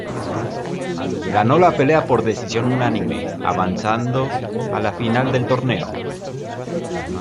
Ganó la pelea por decisión unánime, avanzando a la final del torneo.